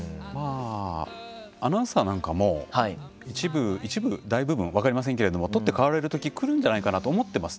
アナウンサーなんかも一部、大部分、分かりませんけど取って代わられるときがくるんじゃないかなと思ってます。